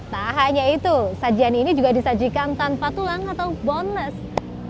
tak hanya itu sajian ini juga disajikan tanpa tulang atau boness